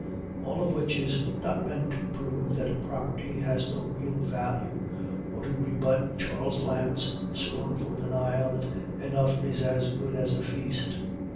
All of which is not meant to prove that property has no real value, or to rebut Charles Lamb's scornful denial that enough is as good as a feast.